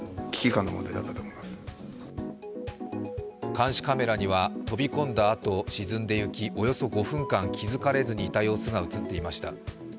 監視カメラには飛び込んだあと沈んでいきおよそ５分間、気付かれずにいた様子が映っていました。